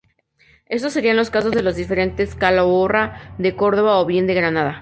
Estos serían los casos de los diferentes "Calahorra", de Córdoba o bien de Granada.